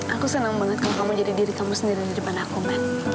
aku senang banget kalau kamu jadi diri kamu sendiri di depan aku mbak